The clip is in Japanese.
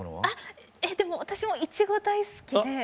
あっでも私もイチゴ大好きで。